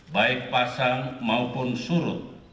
baik pasang maupun surut